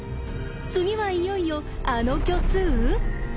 次はいよいよあの虚数？